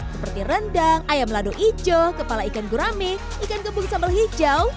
seperti rendang ayam lado hijau kepala ikan gurame ikan gebuk sambal hijau